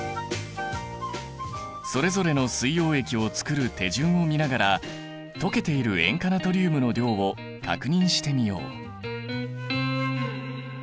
それぞれの水溶液をつくる手順を見ながら溶けている塩化ナトリウムの量を確認してみよう。